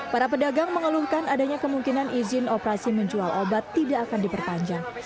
para pedagang mengeluhkan adanya kemungkinan izin operasi menjual obat tidak akan diperpanjang